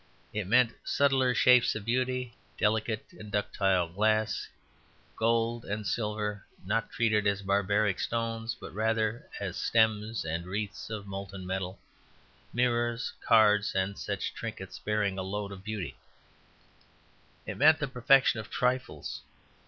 It meant subtler shapes of beauty, delicate and ductile glass, gold and silver not treated as barbaric stones but rather as stems and wreaths of molten metal, mirrors, cards and such trinkets bearing a load of beauty; it meant the perfection of trifles.